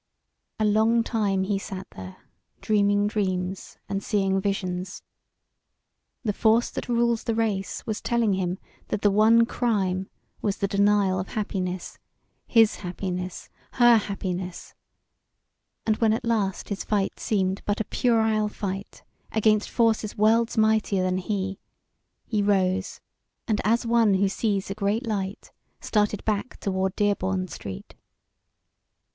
A long time he sat there, dreaming dreams and seeing visions. The force that rules the race was telling him that the one crime was the denial of happiness his happiness, her happiness; and when at last his fight seemed but a puerile fight against forces worlds mightier than he, he rose, and as one who sees a great light, started back toward Dearborn Street.